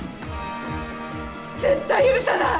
絶対許さない。